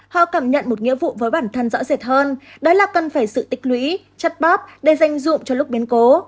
họ cảm nhận một nghĩa vụ với bản thân rõ rệt hơn đó là cần phải sự tích lũy chất bóp để danh dụng cho lúc biến cố